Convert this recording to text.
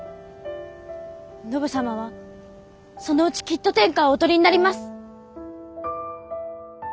信様はそのうちきっと天下をお取りになります！